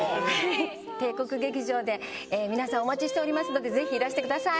帝国劇場で皆さんお待ちしておりますのでぜひいらしてください。